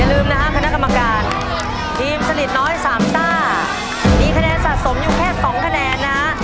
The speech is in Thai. ลืมนะฮะคณะกรรมการทีมสลิดน้อยสามซ่ามีคะแนนสะสมอยู่แค่๒คะแนนนะฮะ